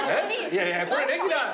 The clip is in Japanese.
いやいやこれレギュラー。